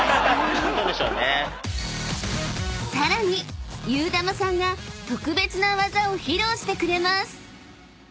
［さらにゆーだまさんが特別な技を披露してくれます］